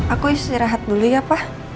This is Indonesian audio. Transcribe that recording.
aku istirahat dulu ya pak